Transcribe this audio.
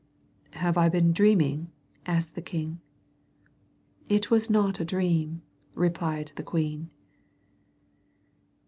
"Have I been dreaming?" asked the king. "It was not a dream," replied the queen.